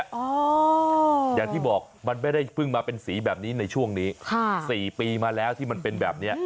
อย่างที่บอกมันไม่ได้เพิ่งมาเป็นสีแบบนี้ในช่วงนี้๔ปีมาแล้วที่มันเป็นแบบนี้